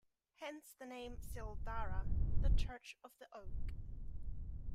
Hence the name Cill Dara, the church of the oak.